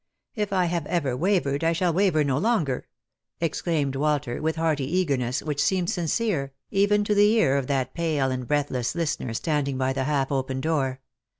If I have ever wavered, I shall waver no longer," exclaimed Walter with hearty eagerness which seemed sincere even to the ear of that pale and breathless listener standing by the half open door.